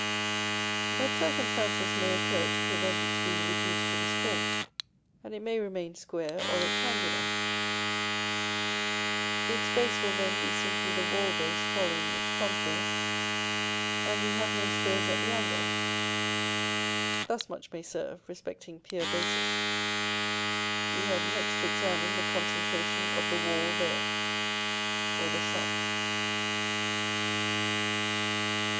But circumstances may occur to prevent its being reduced to this form, and it may remain square or rectangular; its base will then be simply the wall base following its contour, and we have no spurs at the angles. Thus much may serve respecting pier bases; we have next to examine the concentration of the Wall Veil, or the Shaft.